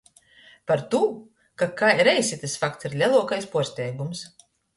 Partū, ka kaireiz itys fakts ir leluokais puorsteigums.